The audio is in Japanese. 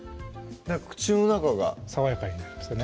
口の中が爽やかになりますよね